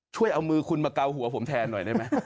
ช่วยเอามือคุณมาเกาหัวผมแทนหน่อยได้ไหม